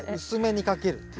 薄めにかける。